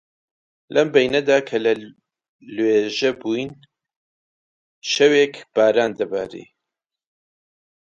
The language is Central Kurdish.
لەم بەینەدا کە لە لێوژە بووین، شەوێک باران دەباری